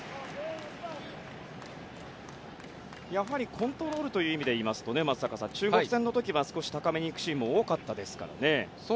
コントロールという意味でいきますと中国戦では少し高めに行くシーンも多かったですからね。